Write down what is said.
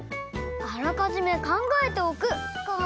「あらかじめ考えておく」か。